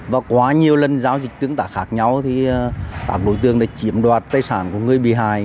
và quá nhiều lần giao dịch tướng tả khác nhau thì các đối tượng đã chiếm đoạt tài sản của người bìa hài